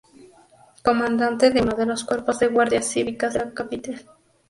Comandante de uno de los cuerpos de guardias cívicas de la capital.